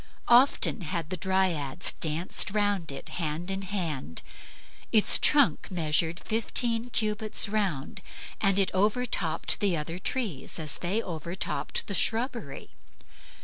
Often had the Dryads danced round it hand in hand. Its trunk measured fifteen cubits round, and it overtopped the other trees as they overtopped the shrubbery.